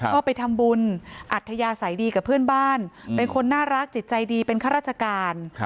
ชอบไปทำบุญอัธยาศัยดีกับเพื่อนบ้านเป็นคนน่ารักจิตใจดีเป็นข้าราชการ